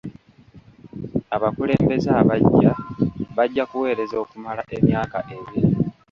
Abakulembeze abaggya bajja kuweereza okumala emyaka ebiri.